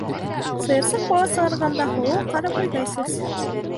Сыйырсыҡ бала сығарғанда һоло, ҡарабойҙай сәс.